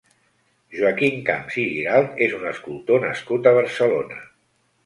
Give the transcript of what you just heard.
Joaquim Camps i Giralt és un escultor nascut a Barcelona.